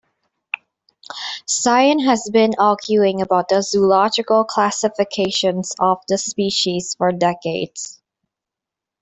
Science has been arguing about the zoological classification of the species for decades.